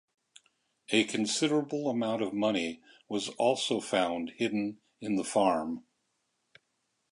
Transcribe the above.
A considerable amount of money was also found hidden in the farm.